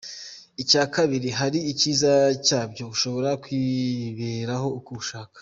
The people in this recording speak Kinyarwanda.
Icya kabiri, hari icyiza cyabyo… ushobora kwiberaho uko ushaka.